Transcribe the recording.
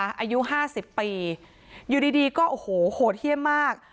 อายุห้าสิบปีอยู่ดีดีก็โอ้โหโหดเยี่ยมมาก